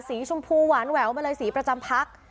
สีชมพูหวานแหววมาเลยสีประจำพัก